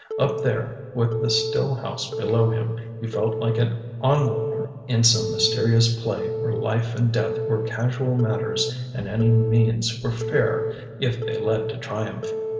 Up there, with the still house below him, he felt like an onlooker in some mysterious play where life and death were casual matters and any means were fair if they led to triumph.